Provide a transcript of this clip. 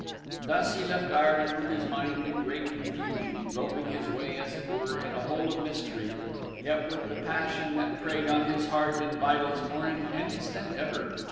Thus he left Ireland with his mind in great confusion, groping his way, as it were, in a hole of mystery, yet with the passion that preyed on his heart and vitals more intense than ever.